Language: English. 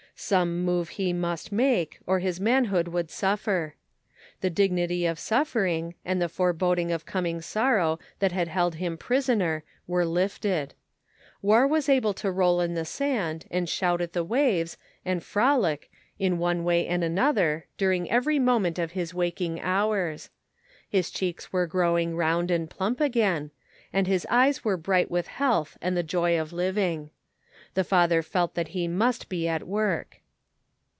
Some move he must make, or his manhood would suffer. The dignity of suffering, and the fore boding of coming sorrow that had held him prisoner, were lifted. War was able to roll in the sand, and shout at the waves, and frolic, in one way and another, during every moment of his waking hours. His cheeks were grow ing round and plump again, and his eyes were bright with health and the joy of living. The father felt that he must be at work.